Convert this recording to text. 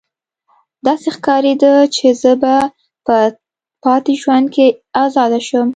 داسې ښکاریده چې زه به په پاتې ژوند کې ازاده شم